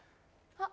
あっ！